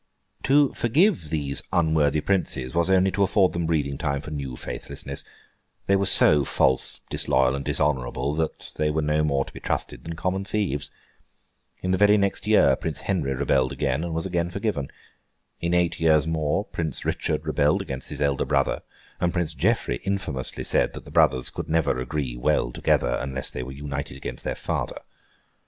To forgive these unworthy princes was only to afford them breathing time for new faithlessness. They were so false, disloyal, and dishonourable, that they were no more to be trusted than common thieves. In the very next year, Prince Henry rebelled again, and was again forgiven. In eight years more, Prince Richard rebelled against his elder brother; and Prince Geoffrey infamously said that the brothers could never agree well together, unless they were united against their father.